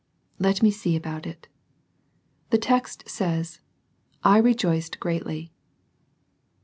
Let me see about it The text says, " I rejoiced greatly."